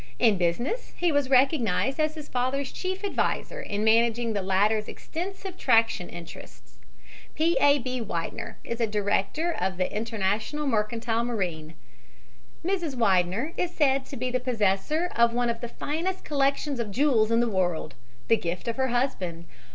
In business he was recognized as his father's chief adviser in managing the latter's extensive traction interests. P. A. B. Widener is a director of the International Mercantile Marine. Mrs. Widener is said to be the possessor of one of the finest collections of jewels in the world, the gift of her husband.